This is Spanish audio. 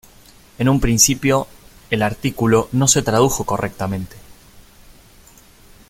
En un principio, el artículo no se tradujo correctamente.